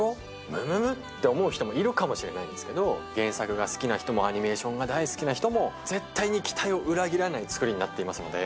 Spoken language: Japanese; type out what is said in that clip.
むむむ？って思う人もいるかもしれないんですけど、原作が好きな人もアニメーションが大好きな人も、絶対に期待を裏切らない作りになっていますので。